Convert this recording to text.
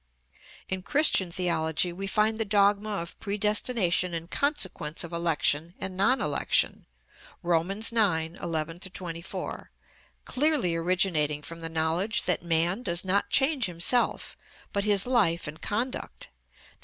In Christian theology we find the dogma of predestination in consequence of election and non election (Rom. ix. 11 24), clearly originating from the knowledge that man does not change himself, but his life and conduct, _i.